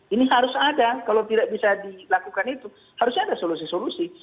ini harus ada kalau tidak bisa dilakukan itu harusnya ada solusi solusi